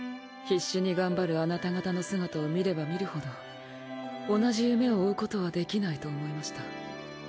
必死に頑張るあなた方の姿を見れば見るほど同じ夢を追うことはできないと思いました。